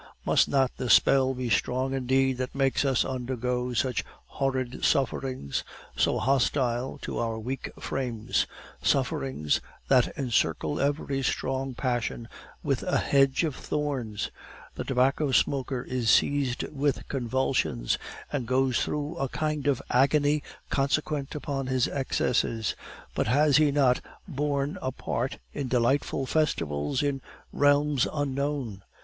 Must not the spell be strong indeed that makes us undergo such horrid sufferings so hostile to our weak frames, sufferings that encircle every strong passion with a hedge of thorns? The tobacco smoker is seized with convulsions, and goes through a kind of agony consequent upon his excesses; but has he not borne a part in delightful festivals in realms unknown?